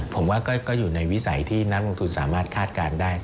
ผมว่าก็อยู่ในวิสัยที่นักลงทุนสามารถคาดการณ์ได้